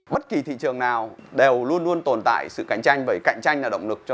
bất kỳ thị trường nào đều luôn luôn tồn tại sự cạnh tranh và cạnh tranh là động lực